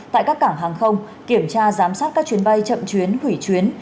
tại các cảng hàng không kiểm tra giám sát các chuyến bay chậm chuyến hủy chuyến